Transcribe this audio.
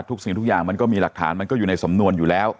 สิ่งทุกอย่างมันก็มีหลักฐานมันก็อยู่ในสำนวนอยู่แล้ว